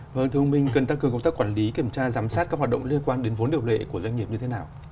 vâng thưa ông minh cần tăng cường công tác quản lý kiểm tra giám sát các hoạt động liên quan đến vốn điều lệ của doanh nghiệp như thế nào